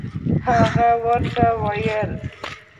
هغه ورته ویل.